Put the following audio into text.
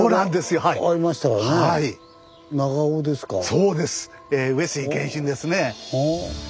そうです！